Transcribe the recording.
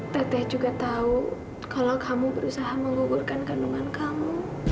tete juga tahu kalau kamu berusaha mengugurkan kandungan kamu